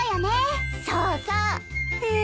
そうそう。え。